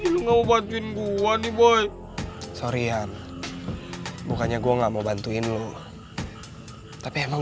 lu nggak mau bantuin gua nih boy sorry yan bukannya gua nggak mau bantuin lu tapi emang